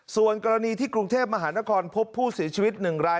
ส่วนกรณีที่กรุงเทพมหานครพบผู้เสียชีวิต๑ราย